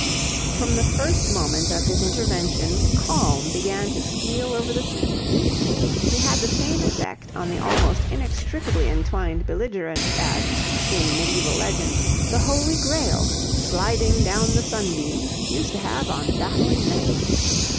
From the first moment of his intervention calm began to steal over the scene. He had the same effect on the almost inextricably entwined belligerents as, in mediaeval legend, the Holy Grail, sliding down the sunbeam, used to have on battling knights.